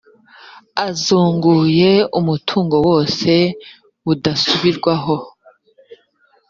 azunguye umutungo wose budasubirwaho